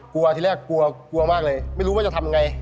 กลัวที่แรกกลัวมากเลยไม่รู้ว่าจะทำอย่างไร